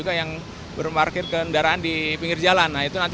kita akan mencari tempatnya